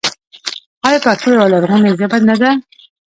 آیا پښتو یوه لرغونې ژبه نه ده؟